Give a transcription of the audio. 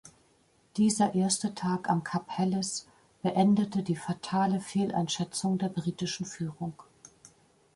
Dieser erste Tag am Kap Helles beendete die fatale Fehleinschätzung der britischen Führung.